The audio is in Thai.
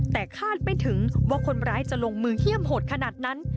แต่คาดไม่ถึงว่าคนร้ายจะลงมือเยี่ยมโหดขนาดนั้น